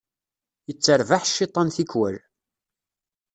Yetterbaḥ cciṭan tikwal.